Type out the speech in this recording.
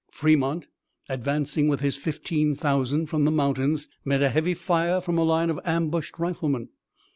Fremont, advancing with his fifteen thousand from the mountains, met a heavy fire from a line of ambushed riflemen.